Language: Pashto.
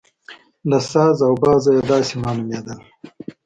له ساز او بازه یې داسې معلومېدل.